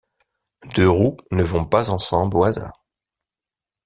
Deux roues ne vont pas ensemble au hasard.